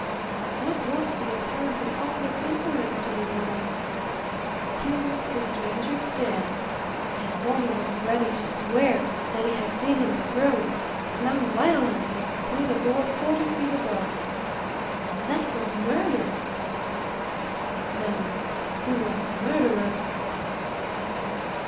what was the apparently obvious inference to be drawn? Here was the stranger dead and Varner was ready to swear that he had seen him thrown, flung violently, through the door forty feet above. That was murder! Then who was the murderer?